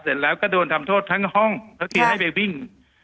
เสร็จแล้วก็โดนทำโทษทั้งห้องก็คือให้ไปวิ่ง